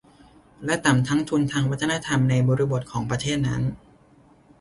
และต่ำทั้งทุนทางวัฒนธรรมในบริบทของประเทศนั้น